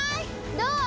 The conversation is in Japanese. どう？